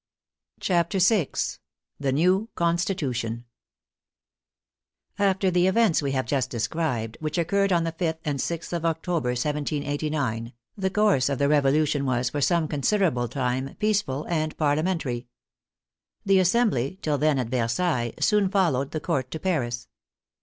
CHAPTER VI THE NEW CONSTITUTION After the events we have just described, which occurred on the 5th and 6th of October, 1789, the course of the Rev olution was, for some considerable time, peaceful and par liamentary. The Assembly, till then at Versailles, soon followed the Court to Paris.